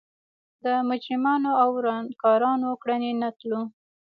د مجرمانو او ورانکارانو کړنې نه تلو.